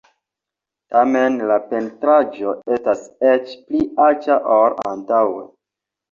Tamen la pentraĵo estas eĉ pli aĉa ol antaŭe.